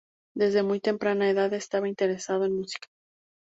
Desde muy temprana edad estaba interesado en música.